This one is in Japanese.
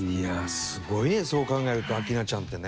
すごいねそう考えると明菜ちゃんってね。